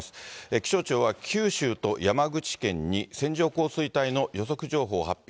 気象庁は、九州と山口県に線状降水帯の予測情報を発表。